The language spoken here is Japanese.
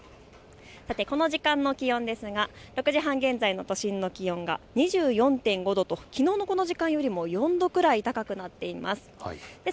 この時間の気温ですが６時半現在の都心の気温が２４．５度ときのうのこの時間よりも４度くらい高くなっています。